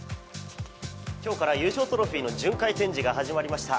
今日から優勝トロフィーの巡回展示が始まりました。